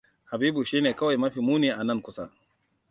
Habibu shine kawai mafi muni a nan kusa.